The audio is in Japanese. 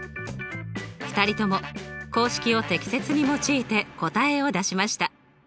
２人とも公式を適切に用いて答えを出しました。